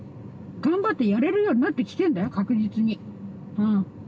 頑張ってやれるようになってきてんだよ確実にうん。